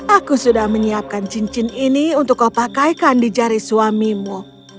aku sudah menyiapkan cincin ini untuk kau pakaikan di jari suamimu